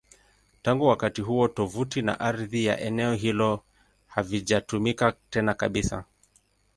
Tangu wakati huo, tovuti na ardhi ya eneo hilo havijatumika tena kabisa.